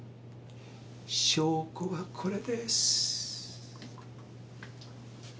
証拠はこれです。